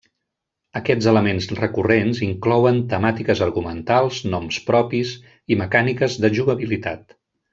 Aquests elements recurrents inclouen temàtiques argumentals, noms propis i mecàniques de jugabilitat.